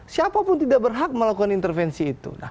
siapapun tidak berhak melakukan intervensi itu